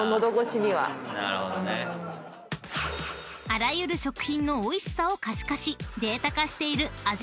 ［あらゆる食品のおいしさを可視化しデータ化している味